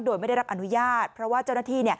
โดยไม่ได้รับอนุญาตเพราะว่าเจ้าหน้าที่